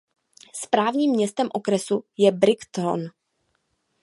Správním městem okresu je Brighton.